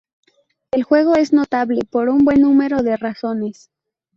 El juego es notable por un buen número de razones.